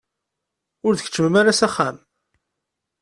Ur d-tkeččmem ara s axxam?